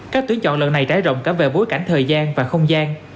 các tuyến chọn lần này trái rộng cả về bối cảnh thời gian và không gian